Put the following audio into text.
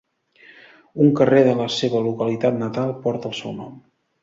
Un carrer de la seva localitat natal porta el seu nom.